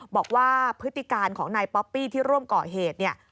บอกว่าพฤติการณ์ของนายป๊อปปี้ที่ร่วมก่อเหตุ